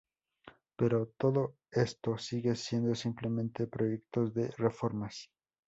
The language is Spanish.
Pero, todo esto, sigue siendo simplemente proyectos de reformas.